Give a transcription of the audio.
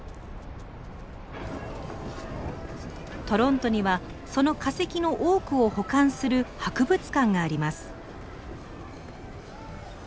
トロントにはその化石の多くを保管する博物館があります。